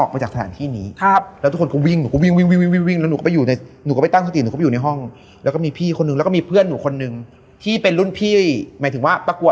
มันรวมกันตรงนี้แล้ว